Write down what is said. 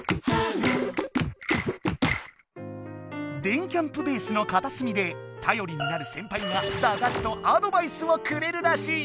電キャんぷベースのかたすみでたよりになるセンパイがだがしとアドバイスをくれるらしい。